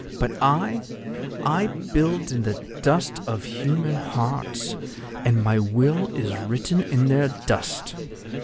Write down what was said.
But I—I build in the dust of human hearts, and my will is written in their dust.